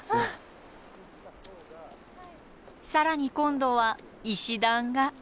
更に今度は石段が。